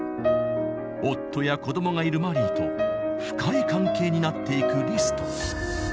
夫やこどもがいるマリーと深い関係になっていくリスト。